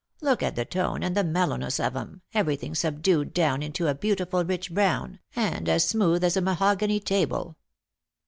Look at the tone and the mellowness of 'em, everything subdued down into a beautiful rich brown, and as smooth as a mahogany table.